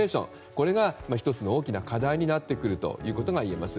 これが１つの大きな課題になってくるといえます。